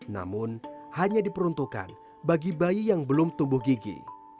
namun hanya diperuntukkan bagi bayi yang belum tumbuh gigi